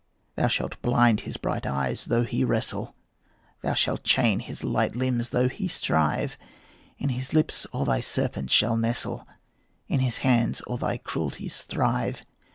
Thou shalt blind his bright eyes though he wrestle, Thou shalt chain his light limbs though he strive; In his lips all thy serpents shall nestle, In his hands all thy cruelties thrive.